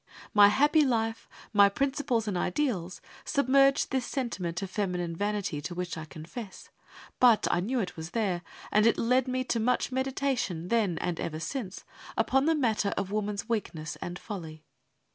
My happy life, my principles and ideals, submerged this sentiment of feminine vanity to which I confess, but I knew it was there, and it led me to much meditation, then and ever since, upon the matter of woman's weakness and folly.